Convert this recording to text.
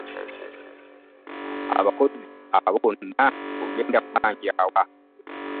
Abakozi abo bonna ogenda kubaja wa.